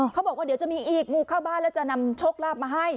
เขาบอกว่าเดี๋ยวจะมีอีกงูเข้าบ้านแล้วจะนำโชคลาภมาให้